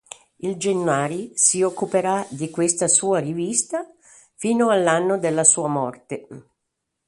Il Gennari si occuperà di questa sua rivista fino all'anno della sua morte.